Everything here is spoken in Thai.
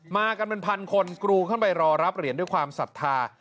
มากันเป็นพันคนกรูขึ้นไปรอรับเหรียญด้วยความศรัทธา